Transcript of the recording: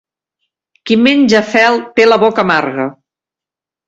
Qui menja fel té la boca amarga.